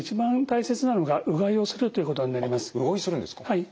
はい。